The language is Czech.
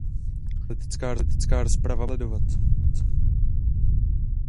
Politická rozprava bude následovat.